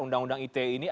undang undang ite ini